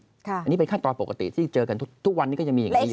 อันนี้เป็นขั้นตอนปกติที่เจอกันทุกวันนี้ก็ยังมีอย่างนี้อยู่